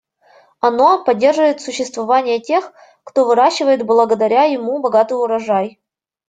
Оно поддерживает существование тех, кто выращивает благодаря ему богатый урожай.